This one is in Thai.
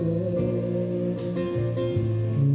นายยกรัฐมนตรีพบกับทัพนักกีฬาที่กลับมาจากโอลิมปิก๒๐๑๖